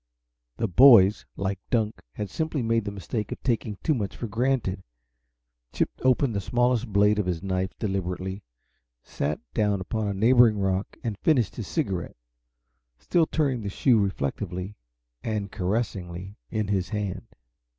The boys, like Dunk, had simply made the mistake of taking too much for granted. Chip opened the smallest blade of his knife deliberately, sat down upon a neighboring rock and finished his cigarette, still turning the shoe reflectively and caressingly in his hand.